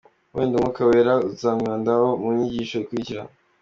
wenda Umwuka wera nzamwibandaho mu nyigisho ikurikira.